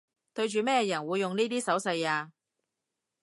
對住咩人會用呢啲手勢吖